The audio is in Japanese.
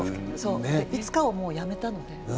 いつかは、もうやめたので。